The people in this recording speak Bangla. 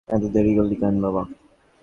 এত দেরি করলি কেন বাবা?